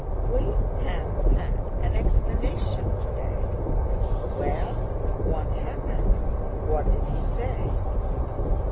"We have had an explanation today." "Well, what happened? What did he say?